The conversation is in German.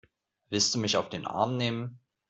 Willst du mich auf den Arm nehmen?